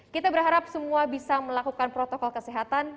kita berharap semua bisa melakukan protokol kesehatan